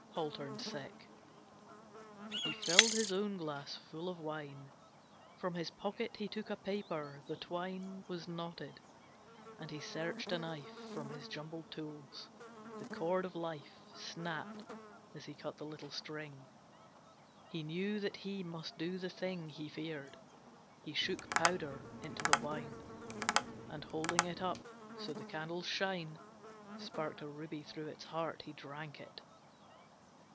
Paul turned sick. He filled his own glass full of wine; From his pocket he took a paper. The twine Was knotted, and he searched a knife From his jumbled tools. The cord of life Snapped as he cut the little string. He knew that he must do the thing He feared. He shook powder into the wine, And holding it up so the candle's shine Sparked a ruby through its heart, He drank it.